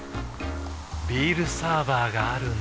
ビールサーバーがある夏。